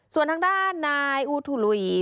ส่วนทางด้านนายอูทุลุย